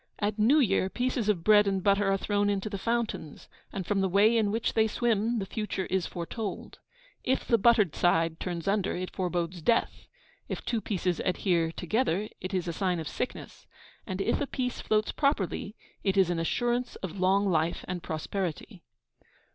At New Year pieces of bread and butter are thrown into the fountains, and from the way in which they swim the future is foretold. If the buttered side turns under, it forebodes death; if two pieces adhere together, it is a sign of sickness; and if a piece floats properly, it is an assurance of long life and prosperity.